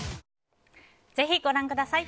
ぜひご覧ください。